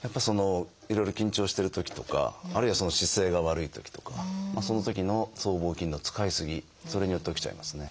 いろいろ緊張してるときとかあるいはその姿勢が悪いときとかそのときの僧帽筋の使い過ぎそれによって起きちゃいますね。